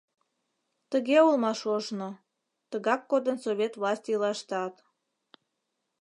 Тыге улмаш ожно, тыгак кодын Совет власть ийлаштат.